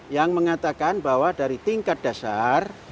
yang mengatakan bahwa dari tingkat dasar